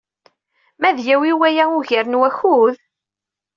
Ma ad yawi waya ugar n wakud?